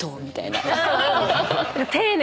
丁寧。